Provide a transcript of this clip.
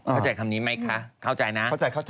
เข้าใจคำนี้ไหมคะเข้าใจนะ